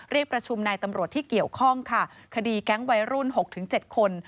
เรียกประชุมในตำรวจที่เกี่ยวข้องค่ะคดีแก๊งไวรุ่นหกถึงเจ็ดคน